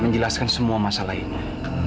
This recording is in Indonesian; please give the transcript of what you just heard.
menjelaskan semua masalah ini